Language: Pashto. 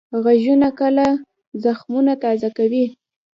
غږونه کله زخمونه تازه کوي